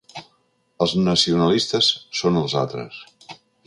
Els nacionalistes són els altres.